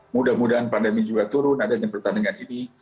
mudah mudahan pandemi juga turun adanya pertandingan ini